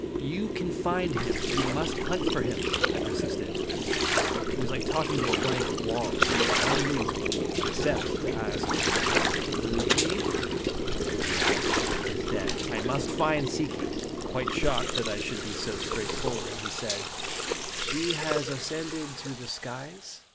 "You can find him. You must hunt for him," I persisted. It was like talking to a blank wall. He was unmoved except to ask :" The lady ?"" Is dead. I must find Si ki." 134 &l) Dramatic in Jftj) Resting. Quite shocked that I should be so straight forward, he said: "She has ascended to the skies?''